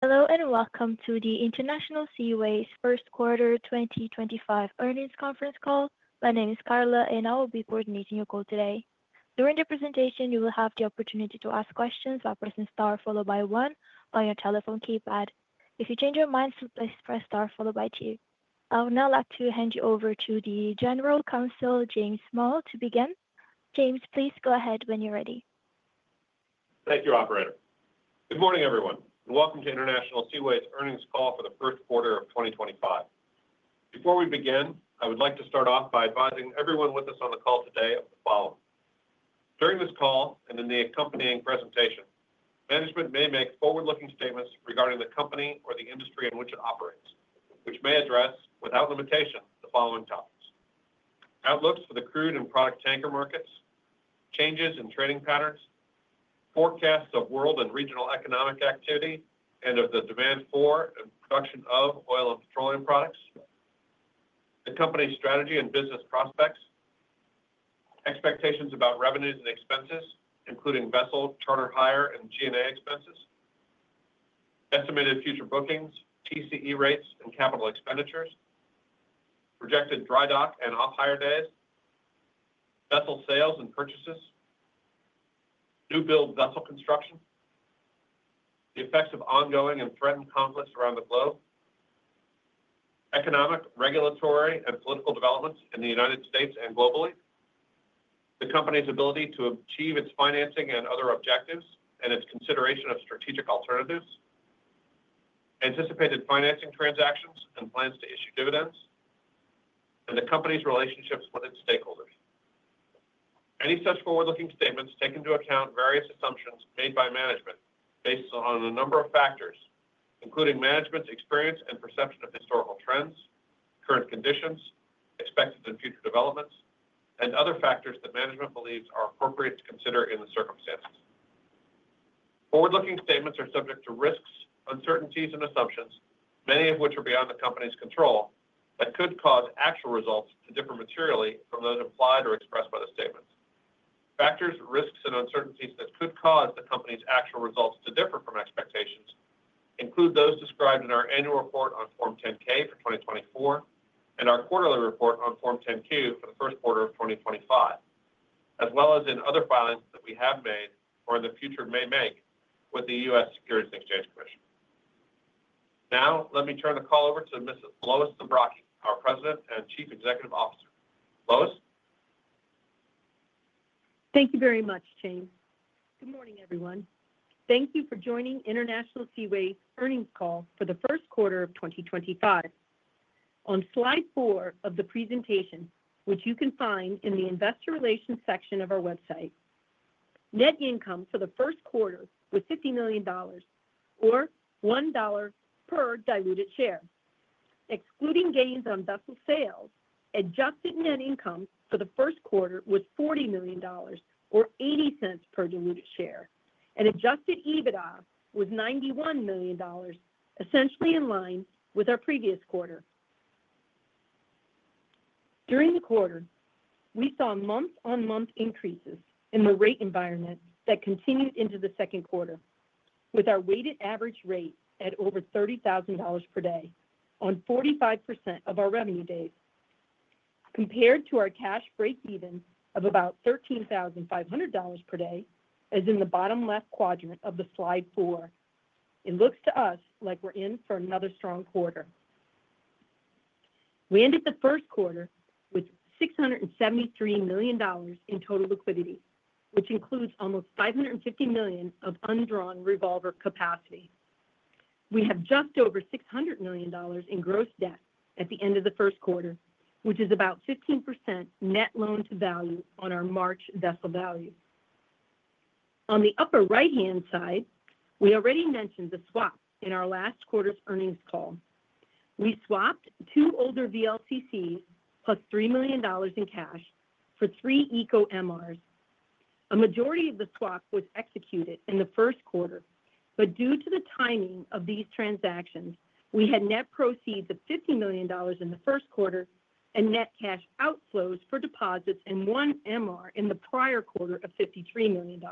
Hello and welcome to the International Seaways First Quarter 2025 earnings conference call. My name is Carla, and I will be coordinating your call today. During the presentation, you will have the opportunity to ask questions by pressing * followed by 1 on your telephone keypad. If you change your mind, please press * followed by 2. I would now like to hand you over to the General Counsel, James Small, to begin. James, please go ahead when you're ready. Thank you, Operator. Good morning, everyone, and welcome to International Seaways earnings call for the first quarter of 2025. Before we begin, I would like to start off by advising everyone with us on the call today of the following. During this call and in the accompanying presentation, management may make forward-looking statements regarding the company or the industry in which it operates, which may address, without limitation, the following topics: outlooks for the crude and product tanker markets, changes in trading patterns, forecasts of world and regional economic activity, and of the demand for and production of oil and petroleum products, the company's strategy and business prospects, expectations about revenues and expenses, including vessel charter hire and G&A expenses, estimated future bookings, TCE rates, and capital expenditures, projected dry dock and off-hire days, vessel sales and purchases, new-build vessel construction, the effects of ongoing and threatened conflicts around the globe, economic, regulatory, and political developments in the United States and globally, the company's ability to achieve its financing and other objectives and its consideration of strategic alternatives, anticipated financing transactions and plans to issue dividends, and the company's relationships with its stakeholders. Any such forward-looking statements take into account various assumptions made by management based on a number of factors, including management's experience and perception of historical trends, current conditions, expected and future developments, and other factors that management believes are appropriate to consider in the circumstances. Forward-looking statements are subject to risks, uncertainties, and assumptions, many of which are beyond the company's control but could cause actual results to differ materially from those implied or expressed by the statements. Factors, risks, and uncertainties that could cause the company's actual results to differ from expectations include those described in our annual report on Form 10-K for 2024 and our quarterly report on Form 10-Q for the first quarter of 2025, as well as in other filings that we have made or in the future may make with the U.S. Securities and Exchange Commission. Now, let me turn the call over to Ms. Lois Zabrocky, our President and Chief Executive Officer. Lois? Thank you very much, James. Good morning, everyone. Thank you for joining International Seaways earnings call for the first quarter of 2025. On slide four of the presentation, which you can find in the Investor Relations section of our website, net income for the first quarter was $50 million, or $1 per diluted share. Excluding gains on vessel sales, adjusted net income for the first quarter was $40 million, or $0.80 per diluted share, and adjusted EBITDA was $91 million, essentially in line with our previous quarter. During the quarter, we saw month-on-month increases in the rate environment that continued into the second quarter, with our weighted average rate at over $30,000 per day on 45% of our revenue days, compared to our cash break-even of about $13,500 per day, as in the bottom left quadrant of the slide four. It looks to us like we're in for another strong quarter. We ended the first quarter with $673 million in total liquidity, which includes almost $550 million of undrawn revolver capacity. We have just over $600 million in gross debt at the end of the first quarter, which is about 15% net loan-to-value on our March vessel value. On the upper right-hand side, we already mentioned the swap in our last quarter's earnings call. We swapped two older VLCC plus $3 million in cash for three Eco MRs. A majority of the swap was executed in the first quarter, but due to the timing of these transactions, we had net proceeds of $50 million in the first quarter and net cash outflows for deposits in one MR in the prior quarter of $53 million.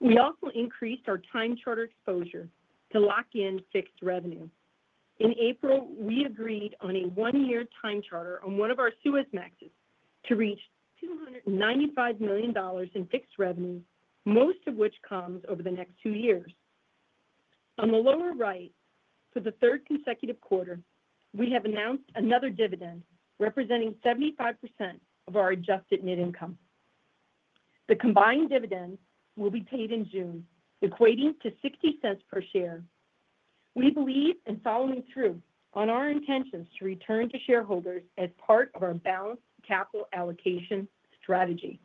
We also increased our time charter exposure to lock in fixed revenue. In April, we agreed on a one-year time charter on one of our Suezmaxes to reach $295 million in fixed revenue, most of which comes over the next two years. On the lower right, for the third consecutive quarter, we have announced another dividend representing 75% of our adjusted net income. The combined dividend will be paid in June, equating to $0.60 per share. We believe in following through on our intentions to return to shareholders as part of our balanced capital allocation strategy.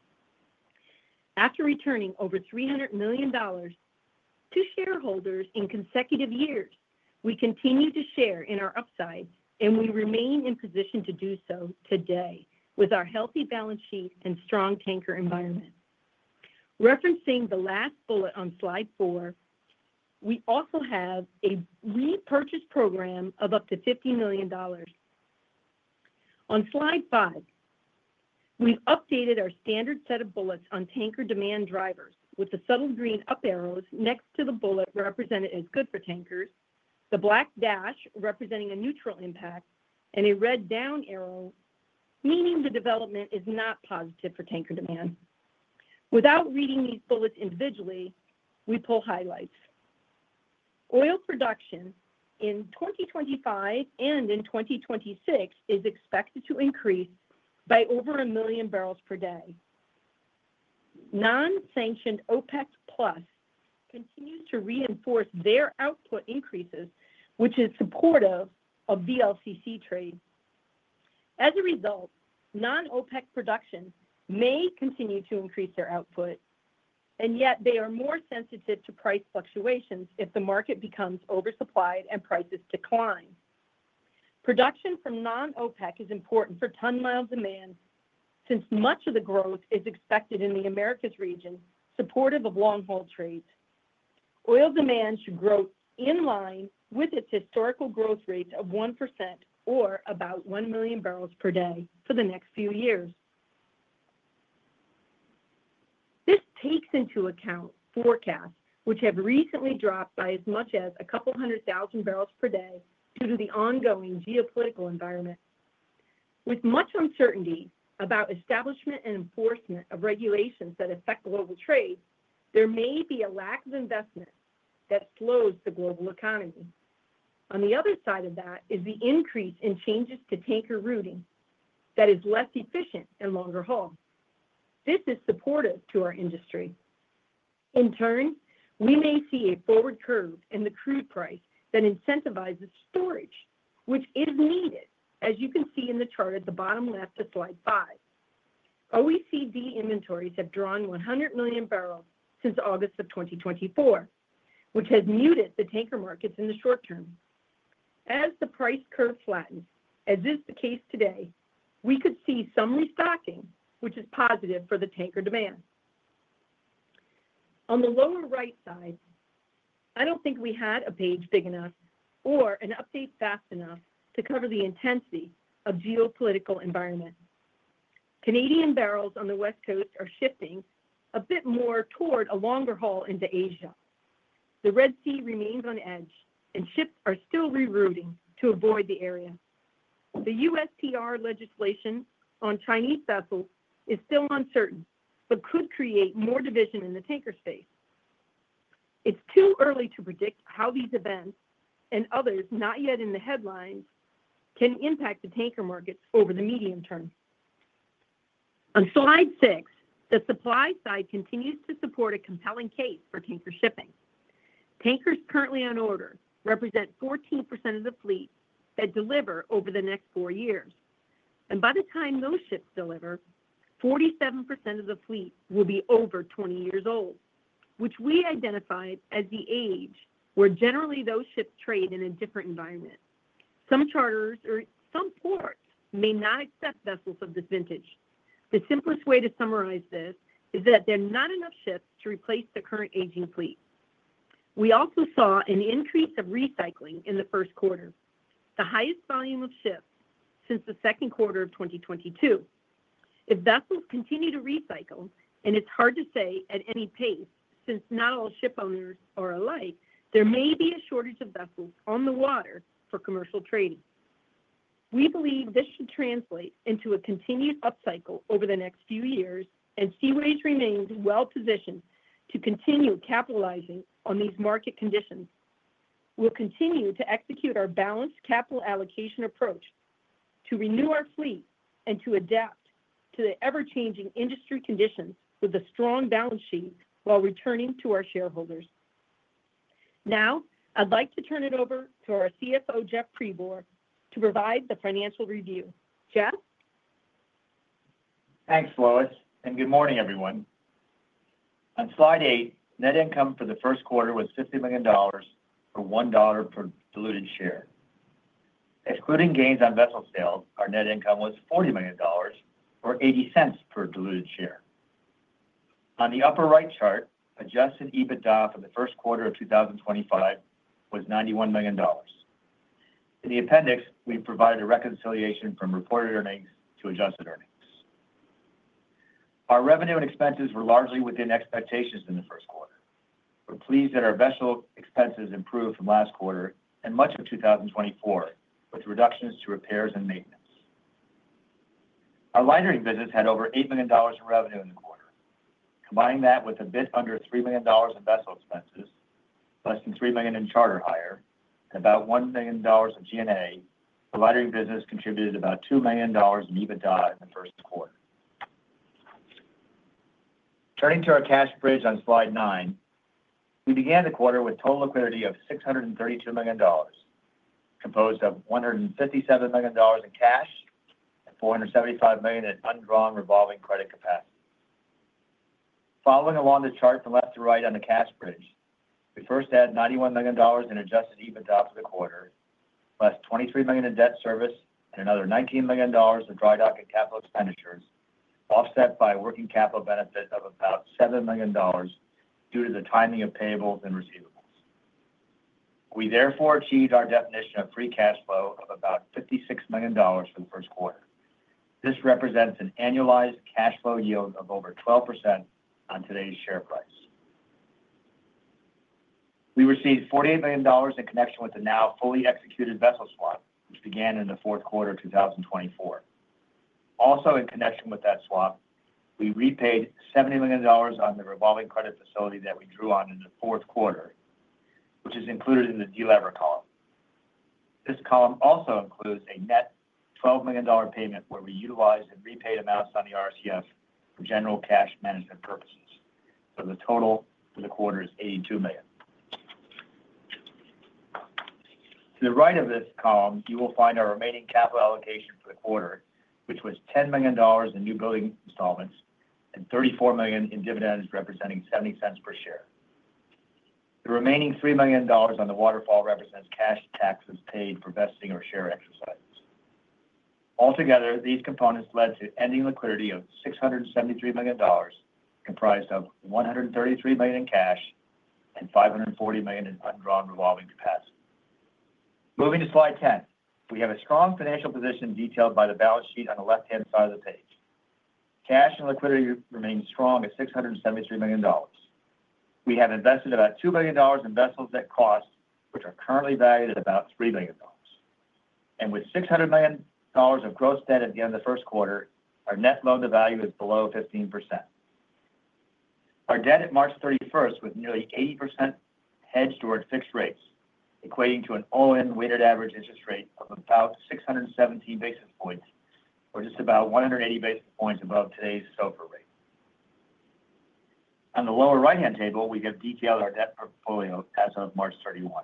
After returning over $300 million to shareholders in consecutive years, we continue to share in our upside, and we remain in position to do so today with our healthy balance sheet and strong tanker environment. Referencing the last bullet on slide four, we also have a repurchase program of up to $50 million. On slide five, we've updated our standard set of bullets on tanker demand drivers with the subtle green up arrows next to the bullet represented as good for tankers, the black dash representing a neutral impact, and a red down arrow meaning the development is not positive for tanker demand. Without reading these bullets individually, we pull highlights. Oil production in 2025 and in 2026 is expected to increase by over a million barrels per day. Non-sanctioned OPEC+ continues to reinforce their output increases, which is supportive of VLCC trade. As a result, non-OPEC production may continue to increase their output, and yet they are more sensitive to price fluctuations if the market becomes oversupplied and prices decline. Production from non-OPEC is important for ton-mile demand since much of the growth is expected in the Americas region, supportive of long-haul trades. Oil demand should grow in line with its historical growth rate of 1%, or about one million barrels per day, for the next few years. This takes into account forecasts which have recently dropped by as much as a couple hundred thousand barrels per day due to the ongoing geopolitical environment. With much uncertainty about establishment and enforcement of regulations that affect global trade, there may be a lack of investment that slows the global economy. On the other side of that is the increase in changes to tanker routing that is less efficient and longer haul. This is supportive to our industry. In turn, we may see a forward curve in the crude price that incentivizes storage, which is needed, as you can see in the chart at the bottom left of slide five. OECD inventories have drawn 100 million barrels since August of 2024, which has muted the tanker markets in the short term. As the price curve flattens, as is the case today, we could see some restocking, which is positive for the tanker demand. On the lower right side, I do not think we had a page big enough or an update fast enough to cover the intensity of geopolitical environment. Canadian barrels on the West Coast are shifting a bit more toward a longer haul into Asia. The Red Sea remains on edge, and ships are still rerouting to avoid the area. The U.S. Trade Representative legislation on Chinese vessels is still uncertain but could create more division in the tanker space. It is too early to predict how these events and others not yet in the headlines can impact the tanker markets over the medium term. On slide six, the supply side continues to support a compelling case for tanker shipping. Tankers currently on order represent 14% of the fleet that deliver over the next four years. By the time those ships deliver, 47% of the fleet will be over 20 years old, which we identified as the age where generally those ships trade in a different environment. Some charters or some ports may not accept vessels of this vintage. The simplest way to summarize this is that there are not enough ships to replace the current aging fleet. We also saw an increase of recycling in the first quarter, the highest volume of ships since the second quarter of 2022. If vessels continue to recycle, and it's hard to say at any pace since not all ship owners are alike, there may be a shortage of vessels on the water for commercial trading. We believe this should translate into a continued upcycle over the next few years, and Seaways remains well-positioned to continue capitalizing on these market conditions. We'll continue to execute our balanced capital allocation approach to renew our fleet and to adapt to the ever-changing industry conditions with a strong balance sheet while returning to our shareholders. Now, I'd like to turn it over to our CFO, Jeff Pribor, to provide the financial review. Jeff? Thanks, Lois. Good morning, everyone. On slide eight, net income for the first quarter was $50 million or $1 per diluted share. Excluding gains on vessel sales, our net income was $40 million or $0.80 per diluted share. On the upper right chart, adjusted EBITDA for the first quarter of 2025 was $91 million. In the appendix, we provided a reconciliation from reported earnings to adjusted earnings. Our revenue and expenses were largely within expectations in the first quarter. We're pleased that our vessel expenses improved from last quarter and much of 2024, with reductions to repairs and maintenance. Our lightering business had over $8 million in revenue in the quarter. Combining that with a bit under $3 million in vessel expenses, less than $3 million in charter hire, and about $1 million of G&A, the lightering business contributed about $2 million in EBITDA in the first quarter. Turning to our cash bridge on slide nine, we began the quarter with total liquidity of $632 million, composed of $157 million in cash and $475 million in undrawn revolving credit capacity. Following along the chart from left to right on the cash bridge, we first had $91 million in adjusted EBITDA for the quarter, plus $23 million in debt service and another $19 million in dry dock and capital expenditures, offset by a working capital benefit of about $7 million due to the timing of payables and receivables. We therefore achieved our definition of free cash flow of about $56 million for the first quarter. This represents an annualized cash flow yield of over 12% on today's share price. We received $48 million in connection with the now fully executed vessel swap, which began in the fourth quarter of 2024. Also, in connection with that swap, we repaid $70 million on the revolving credit facility that we drew on in the fourth quarter, which is included in the D-Lever column. This column also includes a net $12 million payment where we utilized and repaid amounts on the RCF for general cash management purposes. The total for the quarter is $82 million. To the right of this column, you will find our remaining capital allocation for the quarter, which was $10 million in new building installments and $34 million in dividends representing $0.70 per share. The remaining $3 million on the waterfall represents cash taxes paid for vesting or share exercises. Altogether, these components led to ending liquidity of $673 million, comprised of $133 million in cash and $540 million in undrawn revolving capacity. Moving to slide 10, we have a strong financial position detailed by the balance sheet on the left-hand side of the page. Cash and liquidity remain strong at $673 million. We have invested about $2 million in vessels at cost, which are currently valued at about $3 million. With $600 million of gross debt at the end of the first quarter, our net loan-to-value is below 15%. Our debt at March 31 was nearly 80% hedged toward fixed rates, equating to an on-weighted average interest rate of about 617 basis points, or just about 180 basis points above today's SOFR rate. On the lower right-hand table, we have detailed our debt portfolio as of March 31.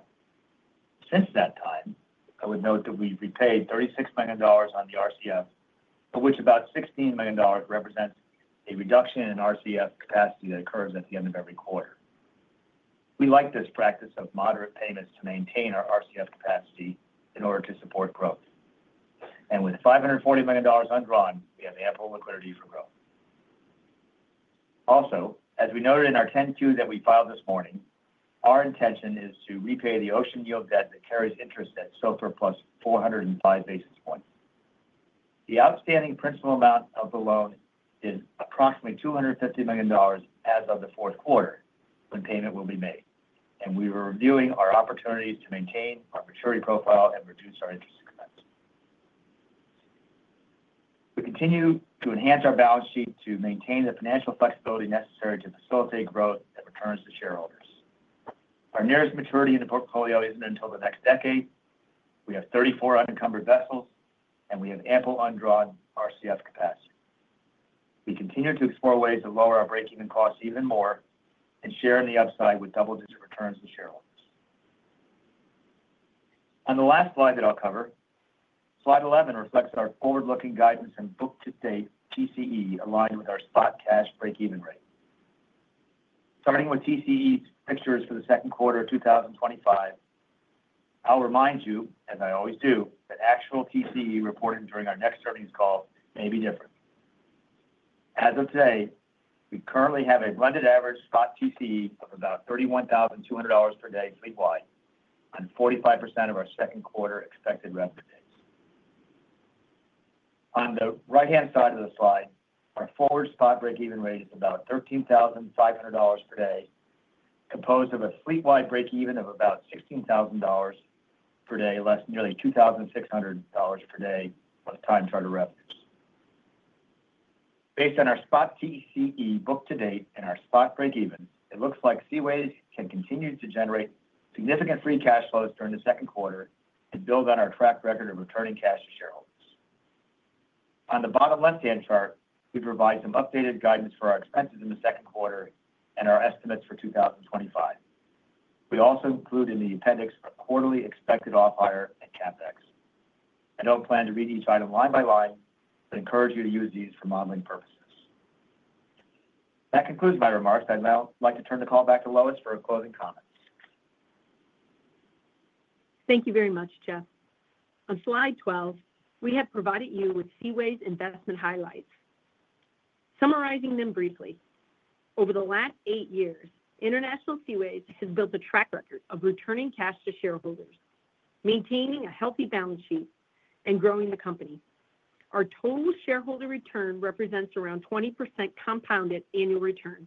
Since that time, I would note that we've repaid $36 million on the RCF, of which about $16 million represents a reduction in RCF capacity that occurs at the end of every quarter. We like this practice of moderate payments to maintain our RCF capacity in order to support growth. With $540 million undrawn, we have ample liquidity for growth. Also, as we noted in our 10-Q that we filed this morning, our intention is to repay the Ocean Yield debt that carries interest at SOFR plus 405 basis points. The outstanding principal amount of the loan is approximately $250 million as of the fourth quarter when payment will be made. We are reviewing our opportunities to maintain our maturity profile and reduce our interest expense. We continue to enhance our balance sheet to maintain the financial flexibility necessary to facilitate growth that returns to shareholders. Our nearest maturity in the portfolio isn't until the next decade. We have 34 unencumbered vessels, and we have ample undrawn RCF capacity. We continue to explore ways to lower our break-even costs even more and share in the upside with double-digit returns to shareholders. On the last slide that I'll cover, slide 11 reflects our forward-looking guidance and book-to-date TCE aligned with our spot cash break-even rate. Starting with TCE pictures for the second quarter of 2025, I'll remind you, as I always do, that actual TCE reporting during our next earnings call may be different. As of today, we currently have a blended average spot TCE of about $31,200 per day fleet-wide on 45% of our second quarter expected revenue dates. On the right-hand side of the slide, our forward spot break-even rate is about $13,500 per day, composed of a fleet-wide break-even of about $16,000 per day, less nearly $2,600 per day of time charter revenues. Based on our spot TCE book-to-date and our spot break-evens, it looks like Seaways can continue to generate significant free cash flows during the second quarter and build on our track record of returning cash to shareholders. On the bottom left-hand chart, we provide some updated guidance for our expenses in the second quarter and our estimates for 2025. We also include in the appendix a quarterly expected off-hire and CapEx. I do not plan to read each item line by line, but encourage you to use these for modeling purposes. That concludes my remarks. I would now like to turn the call back to Lois for closing comments. Thank you very much, Jeff. On slide 12, we have provided you with Seaways investment highlights. Summarizing them briefly, over the last eight years, International Seaways has built a track record of returning cash to shareholders, maintaining a healthy balance sheet, and growing the company. Our total shareholder return represents around 20% compounded annual return.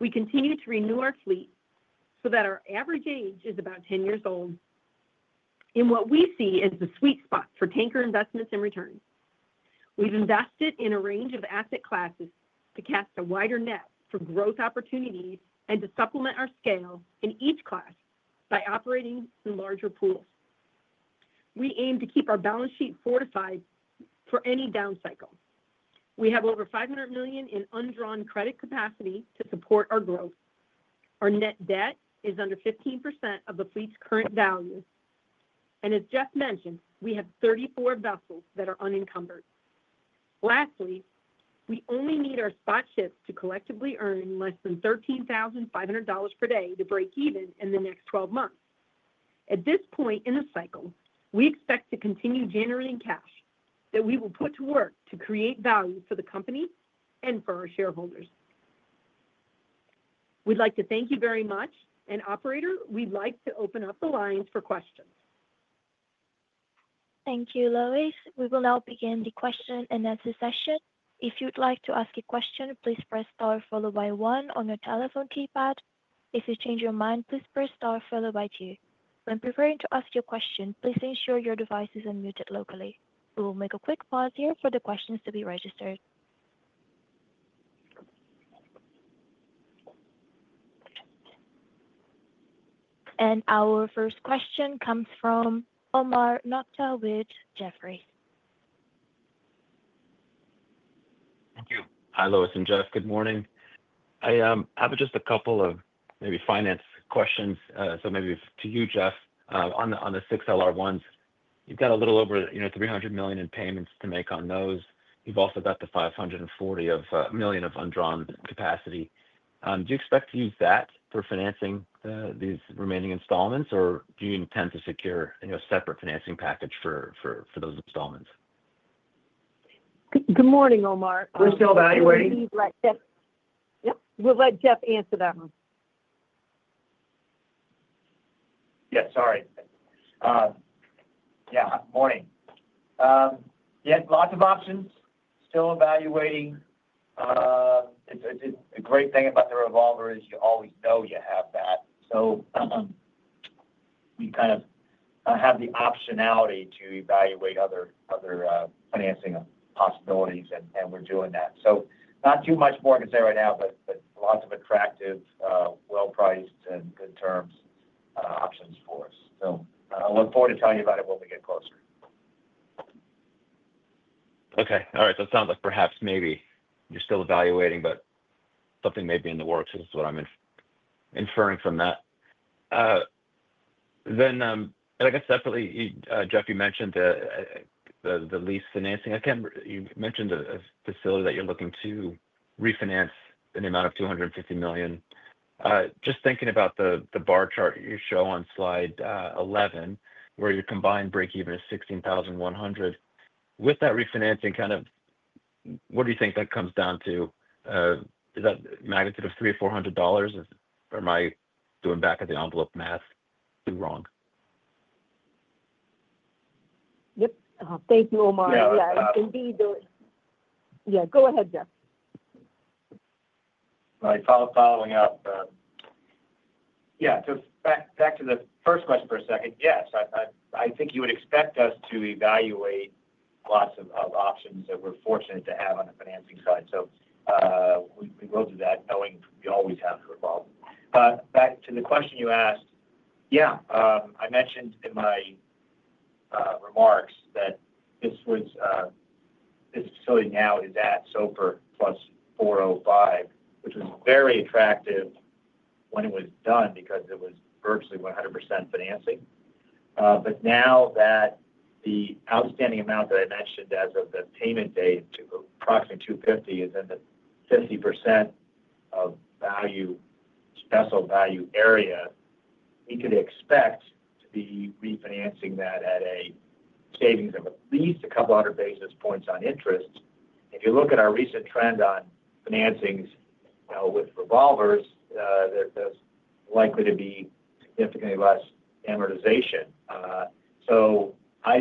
We continue to renew our fleet so that our average age is about 10 years old. What we see is the sweet spot for tanker investments and return. We've invested in a range of asset classes to cast a wider net for growth opportunities and to supplement our scale in each class by operating in larger pools. We aim to keep our balance sheet fortified for any down cycle. We have over $500 million in undrawn credit capacity to support our growth. Our net debt is under 15% of the fleet's current value. As Jeff mentioned, we have 34 vessels that are unencumbered. Lastly, we only need our spot ships to collectively earn less than $13,500 per day to break even in the next 12 months. At this point in the cycle, we expect to continue generating cash that we will put to work to create value for the company and for our shareholders. We'd like to thank you very much. Operator, we'd like to open up the lines for questions. Thank you, Lois. We will now begin the question and answer session. If you'd like to ask a question, please press star followed by one on your telephone keypad. If you change your mind, please press star followed by two. When preparing to ask your question, please ensure your device is unmuted locally. We will make a quick pause here for the questions to be registered. Our first question comes from Omar Nokta with Jefferies. Thank you. Hi, Lois and Jeff. Good morning. I have just a couple of maybe finance questions. Maybe to you, Jeff, on the 6 LR1s, you've got a little over $300 million in payments to make on those. You've also got the $540 million of undrawn capacity. Do you expect to use that for financing these remaining installments, or do you intend to secure a separate financing package for those installments? Good morning, Omar. We're still evaluating. Yep. Yep. We'll let Jeff answer that one. Yes. Sorry. Yeah. Morning. Yeah. Lots of options. Still evaluating. A great thing about the revolver is you always know you have that. We kind of have the optionality to evaluate other financing possibilities, and we're doing that. Not too much more I can say right now, but lots of attractive, well-priced, and good terms options for us. I look forward to telling you about it when we get closer. Okay. All right. It sounds like perhaps maybe you're still evaluating, but something may be in the works is what I'm inferring from that. I guess definitely, Jeff, you mentioned the lease financing. You mentioned a facility that you're looking to refinance in the amount of $250 million. Just thinking about the bar chart you show on slide 11, where your combined break-even is $16,100. With that refinancing, kind of what do you think that comes down to? Is that a magnitude of $300 or $400? Am I doing back of the envelope math too wrong? Yep. Thank you, Omar. Yeah. Indeed. Yeah. Go ahead, Jeff. Right. Following up, yeah, just back to the first question for a second. Yes. I think you would expect us to evaluate lots of options that we're fortunate to have on the financing side. We will do that knowing we always have to revolve. Back to the question you asked, yeah, I mentioned in my remarks that this facility now is at SOFR plus 405, which was very attractive when it was done because it was virtually 100% financing. Now that the outstanding amount that I mentioned as of the payment date to approximately $250 is in the 50% of vessel value area, we could expect to be refinancing that at a savings of at least a couple 100 basis points on interest. If you look at our recent trend on financings with revolvers, there's likely to be significantly less amortization.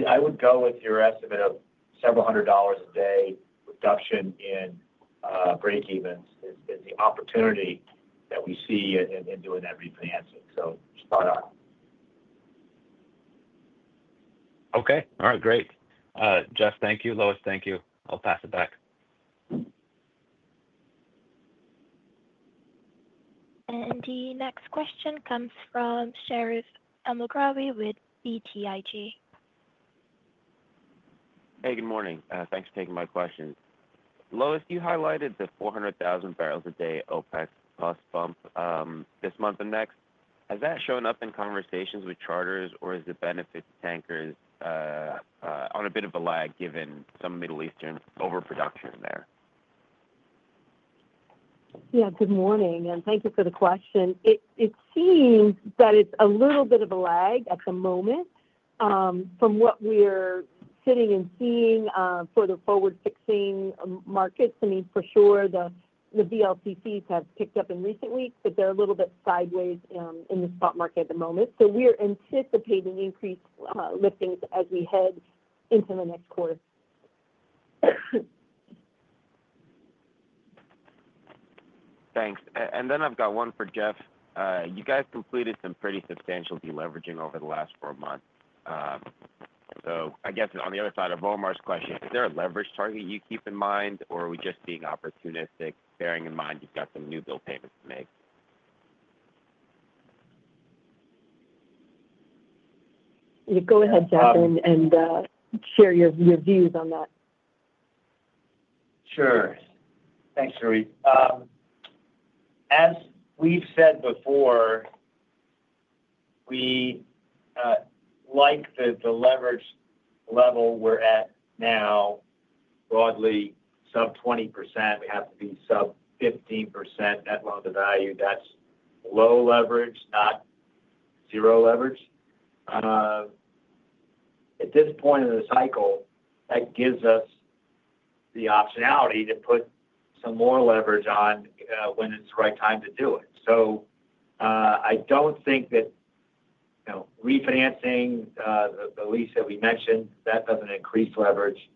I would go with your estimate of several hundred dollars a day reduction in break-evens is the opportunity that we see in doing that refinancing. Spot on. Okay. All right. Great. Jeff, thank you. Lois, thank you. I'll pass it back. The next question comes from Sherif Elmaghrabi with BTIG. Hey, good morning. Thanks for taking my question. Lois, you highlighted the 400,000 barrels a day OPEC+ bump this month and next. Has that shown up in conversations with charters, or is the benefit to tankers on a bit of a lag given some Middle Eastern overproduction there? Yeah. Good morning. Thank you for the question. It seems that it's a little bit of a lag at the moment. From what we're sitting and seeing for the forward-fixing markets, I mean, for sure, the VLCC have picked up in recent weeks, but they're a little bit sideways in the spot market at the moment. We're anticipating increased liftings as we head into the next quarter. Thanks. I have got one for Jeff. You guys completed some pretty substantial deleveraging over the last four months. I guess on the other side of Omar's question, is there a leverage target you keep in mind, or are we just being opportunistic, bearing in mind you have got some newbuild payments to make? Go ahead, Jeff, and share your views on that. Sure. Thanks, Sherif. As we've said before, we like the leverage level we're at now, broadly sub 20%. We have to be sub 15% net loan-to-value. That's low leverage, not zero leverage. At this point in the cycle, that gives us the optionality to put some more leverage on when it's the right time to do it. I don't think that refinancing the lease that we mentioned, that doesn't increase leverage.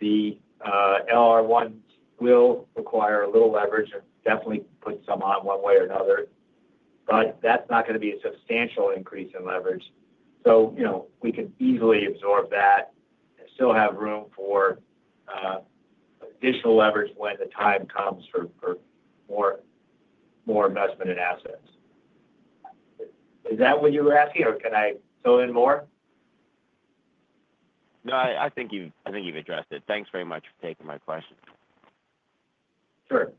The LR1s will require a little leverage and definitely put some on one way or another. That's not going to be a substantial increase in leverage. We can easily absorb that and still have room for additional leverage when the time comes for more investment in assets. Is that what you were asking, or can I fill in more? No, I think you've addressed it. Thanks very much for taking my question. Sure.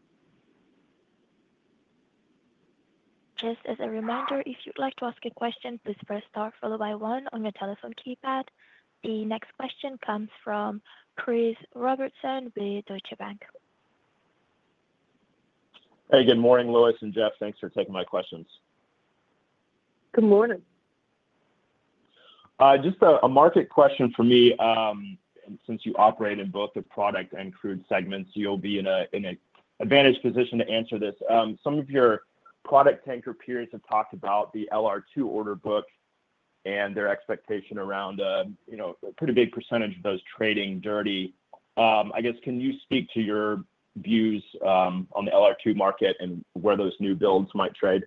Just as a reminder, if you'd like to ask a question, please press star followed by one on your telephone keypad. The next question comes from Chris Robertson with Deutsche Bank. Hey, good morning, Lois and Jeff. Thanks for taking my questions. Good morning. Just a market question for me. Since you operate in both the product and crude segments, you'll be in an advantaged position to answer this. Some of your product tanker peers have talked about the LR2 order book and their expectation around a pretty big percentage of those trading dirty. I guess, can you speak to your views on the LR2 market and where those new builds might trade?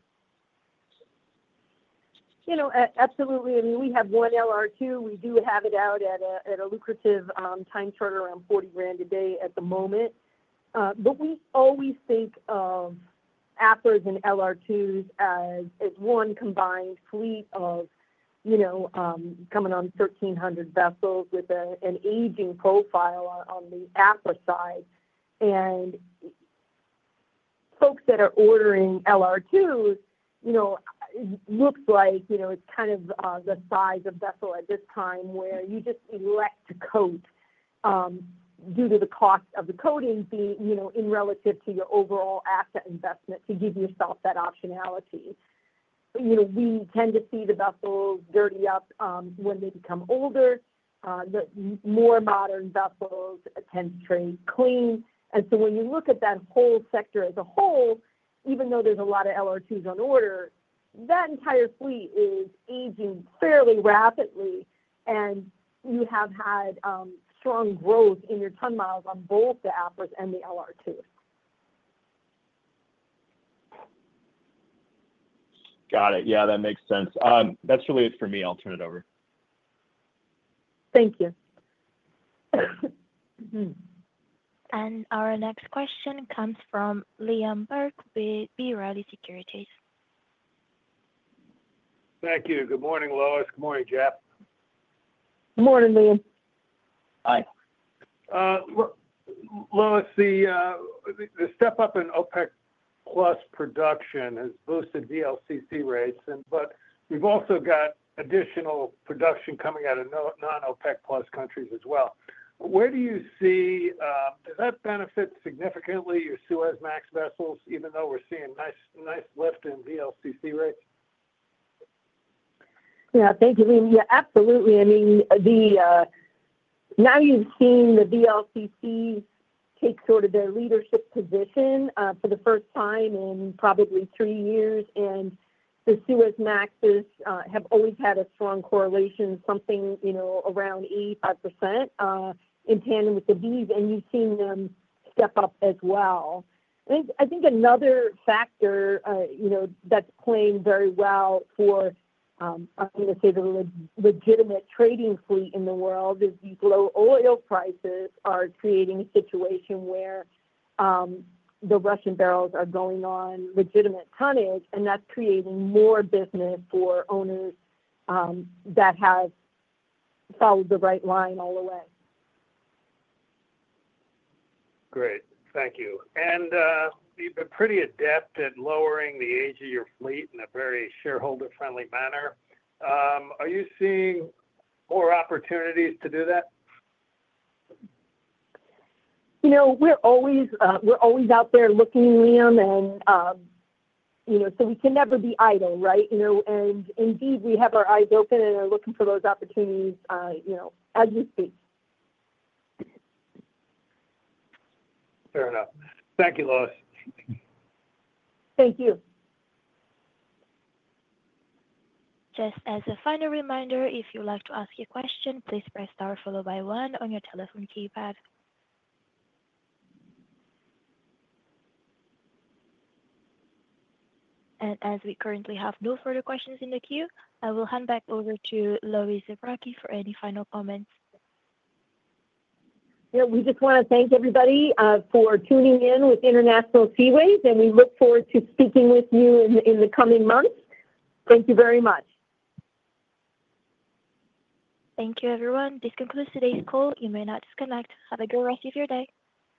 Absolutely. I mean, we have one LR2. We do have it out at a lucrative time charter around $40,000 a day at the moment. We always think of AFRAs and LR2s as one combined fleet of coming on 1,300 vessels with an aging profile on the AFRA side. Folks that are ordering LR2s, it looks like it's kind of the size of vessel at this time where you just elect to coat due to the cost of the coating being relative to your overall asset investment to give yourself that optionality. We tend to see the vessels dirty up when they become older. The more modern vessels tend to trade clean. When you look at that whole sector as a whole, even though there's a lot of LR2s on order, that entire fleet is aging fairly rapidly. You have had strong growth in your ton miles on both the Aframaxes and the LR2s. Got it. Yeah, that makes sense. That's really it for me. I'll turn it over. Thank you. Our next question comes from Liam Burke with B. Riley Securities. Thank you. Good morning, Lois. Good morning, Jeff. Good morning, Liam. Hi. Lois, the step up in OPEC+ production has boosted VLCC rates, but we've also got additional production coming out of non-OPEC+ countries as well. Where do you see does that benefit significantly your Suezmax vessels, even though we're seeing a nice lift in VLCC rates? Yeah. Thank you. I mean, yeah, absolutely. I mean, now you've seen the VLCC take sort of their leadership position for the first time in probably three years. The Suezmax have always had a strong correlation, something around 85% in tandem with the VLCC. You've seen them step up as well. I think another factor that's playing very well for, I'm going to say, the legitimate trading fleet in the world is these low oil prices are creating a situation where the Russian barrels are going on legitimate tonnage. That's creating more business for owners that have followed the right line all the way. Great. Thank you. You've been pretty adept at lowering the age of your fleet in a very shareholder-friendly manner. Are you seeing more opportunities to do that? We're always out there looking, Liam. We can never be idle, right? Indeed, we have our eyes open and are looking for those opportunities as we speak. Fair enough. Thank you, Lois. Thank you. Just as a final reminder, if you'd like to ask a question, please press star followed by one on your telephone keypad. As we currently have no further questions in the queue, I will hand back over to Lois Zabrocky for any final comments. Yeah. We just want to thank everybody for tuning in with International Seaways. We look forward to speaking with you in the coming months. Thank you very much. Thank you, everyone. This concludes today's call. You may now disconnect. Have a good rest of your day.